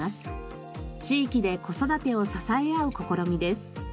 地域で子育てを支え合う試みです。